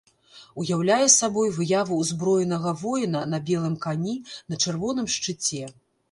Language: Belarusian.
Уяўляе сабою выяву ўзброенага воіна на белым кані на чырвоным шчыце.